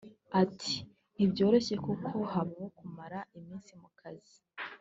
Ati” ntibyoroshye kuko habaho kumara iminsi mu kazi